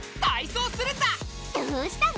どうしたの？